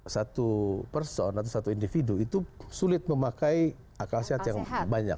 satu person atau satu individu itu sulit memakai akal sehat yang banyak